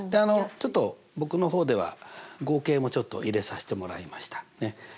ちょっと僕の方では合計も入れさせてもらいました。